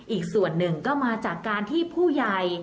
อีกส่วนหนึ่งก็มาจากการที่ผู้ใหญ่